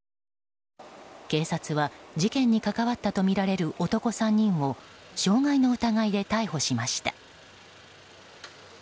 警察は、事件に関わったとみられる男３人を傷害の疑いで逮捕しました。